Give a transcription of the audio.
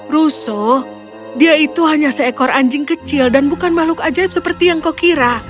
russo dia itu hanya seekor anjing kecil dan bukan makhluk ajaib seperti yang kau kira